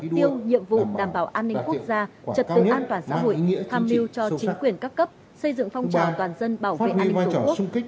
nhằm thực hiện mục tiêu nhiệm vụ đảm bảo an ninh quốc gia trật tự an toàn xã hội tham lưu cho chính quyền các cấp xây dựng phong trào toàn dân bảo vệ an ninh quốc